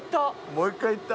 もう１回行った。